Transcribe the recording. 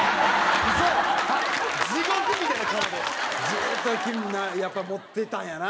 ずっときむやっぱり持ってたんやな。